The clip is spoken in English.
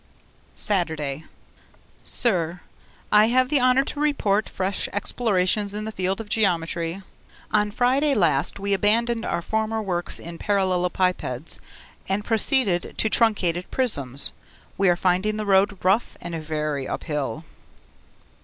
Saturday Sir, I have the honour to report fresh explorations in the field of geometry. On Friday last we abandoned our former works in parallelopipeds and proceeded to truncated prisms. We are finding the road rough and very uphill.